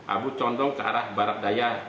abu condong ke arah barat daya